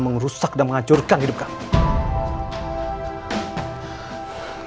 mengurusak dan menghancurkan hidup kamu